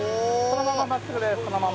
そのまま。